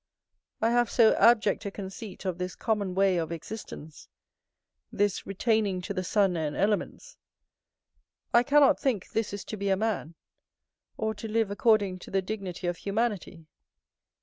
I have so abject a conceit of this common way of existence, this retaining to the sun and elements, I cannot think this is to be a man, or to live according to the dignity of humanity.